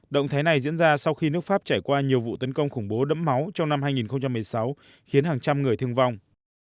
động thái này diễn ra sau khi nước pháp trải qua nhiều vụ tấn công khủng bố đẫm máu trong năm hai nghìn một mươi sáu khiến hàng trăm người thương vong